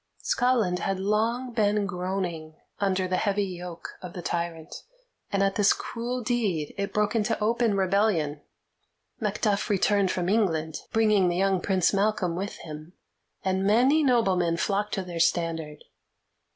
Scotland had long been groaning under the heavy yoke of the tyrant, and at this cruel deed it broke into open rebellion. Macduff returned from England, bringing the young Prince Malcolm with him, and many noblemen flocked to their standard.